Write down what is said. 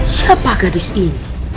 siapa gadis ini